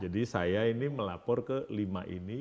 jadi saya ini melapor ke lima ini